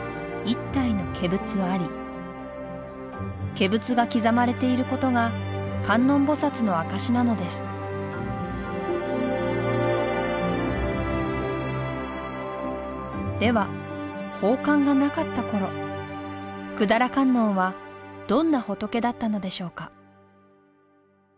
化仏が刻まれていることが観音菩の証しなのですでは宝冠がなかった頃百済観音はどんな仏だったのでしょうか